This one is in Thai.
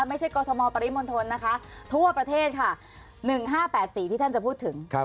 ไม่ใช่กรทมปริมณฑลนะคะทั่วประเทศค่ะ๑๕๘๔ที่ท่านจะพูดถึง